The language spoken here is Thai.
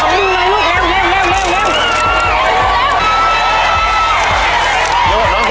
เร็วลูกหยิบต่อเร็ว